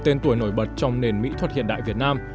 tên tuổi nổi bật trong nền mỹ thuật hiện đại việt nam